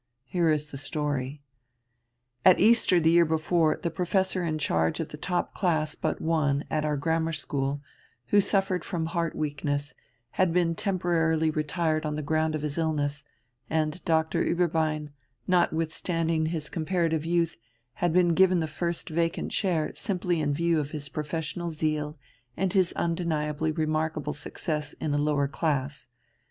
Here is the story. At Easter the year before the professor in charge of the top class but one at our Grammar School, who suffered from heart weakness, had been temporarily retired on the ground of his illness, and Doctor Ueberbein, notwithstanding his comparative youth, had been given the first vacant chair simply in view of his professional zeal and his undeniably remarkable success in a lower class.